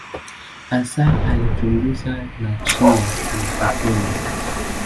Hasa alichunguza nadharia ya atomu.